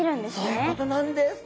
そういうことなんです。